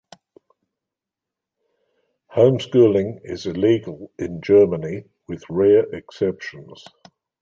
Homeschooling is illegal in Germany, with rare exceptions.